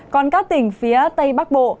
còn các tỉnh phía tây bắc bộ